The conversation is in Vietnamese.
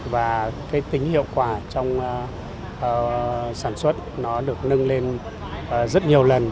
và tính hiệu quả trong sản xuất được nâng lên rất nhiều lần